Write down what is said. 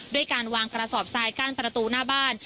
ด้วยการวางกระสอบทรายก้านประตูหน้าบ้าน